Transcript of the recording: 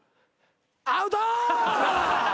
アウト！